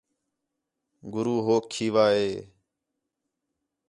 گُرو ہوک کھیوا ہِے